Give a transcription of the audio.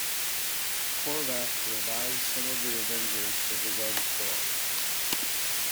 Korvac revives some of the Avengers for his own corps.